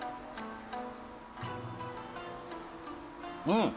「うん！